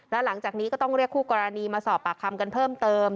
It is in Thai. แล้วหลังจากนี้ก็ต้องเรียกคู่กรณีมาสอบปากคำกันเพิ่มเติม